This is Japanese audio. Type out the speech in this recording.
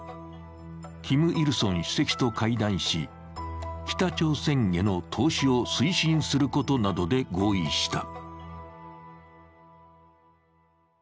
キム・イルソン主席と会談し北朝鮮への投資を推進することなどで合意した。